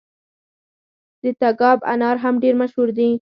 د تګاب انار هم ډیر مشهور دي.